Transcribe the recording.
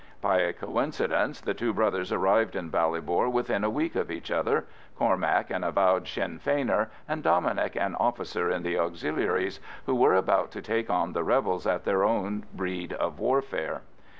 By a coincidence the two brothers arrived in Ballybor within a week of each other, Cormac an avowed Sinn Feiner, and Dominic an officer in the Auxiliaries, who were about to take on the rebels at their own breed of warfare.